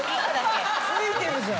ついてるじゃん！